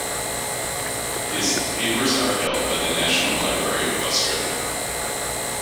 His papers are held by the National Library of Australia.